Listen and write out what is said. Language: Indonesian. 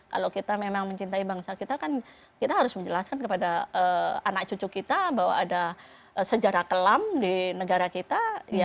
kalau kita memang mencintai bangsa kita kan kita harus menjelaskan kepada anak cucu kita bahwa ada sejarah kelam di negara kita